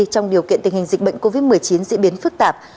trong điều kiện tình hình dịch bệnh covid một mươi chín diễn biến phức tạp